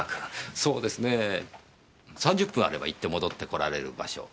そうですねぇ３０分あれば行って戻って来られる場所。